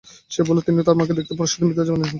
সে বললে, তিনি তাঁর মাকে দেখতে পরশুদিন বৃন্দাবনে গেছেন।